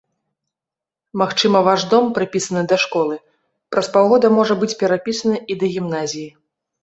Магчыма, ваш дом, прыпісаны да школы, праз паўгода можа быць перапрыпісаны і да гімназіі.